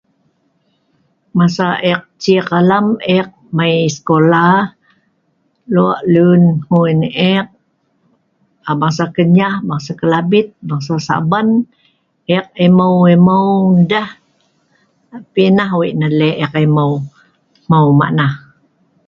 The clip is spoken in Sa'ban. masa ek cik alam ek mei sekola lok lun hgui ek. aa bangsa kenyah, bangsa kelabit, bangsa saban. ek emeu2 deh pi nah weik nah lek ek emeu hmeu mak nah